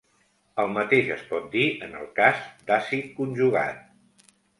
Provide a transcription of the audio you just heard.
El mateix es pot dir en el cas d'àcid conjugat.